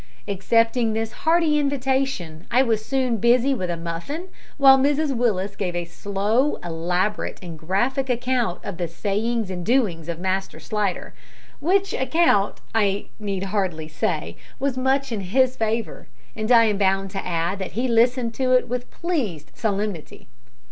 Accepting this hearty invitation, I was soon busy with a muffin, while Mrs Willis gave a slow, elaborate, and graphic account of the sayings and doings of Master Slidder, which account, I need hardly say, was much in his favour, and I am bound to add that he listened to it with pleased solemnity.